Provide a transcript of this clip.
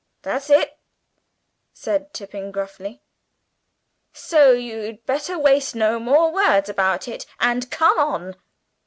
"That's it," said Tipping gruffly; "so you'd better waste no more words about it, and come on."